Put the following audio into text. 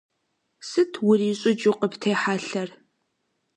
Сыт урищӀыкӀыу къыптехьэлъэр?